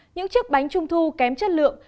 những chiếc bánh trung thu kém chất lượng